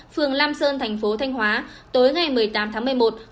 phường lam sơn thành phố thanh hóa tối ngày một mươi tám tháng một mươi một